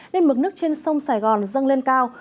nên mực nước trên sông sài gòn dâng lên cao